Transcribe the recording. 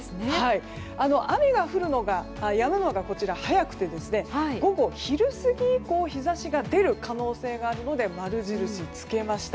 雨がやむのが早くて午後昼過ぎ以降日差しが出る可能性があるので〇印をつけました。